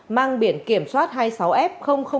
mang biển kiểm soát hai mươi sáu f một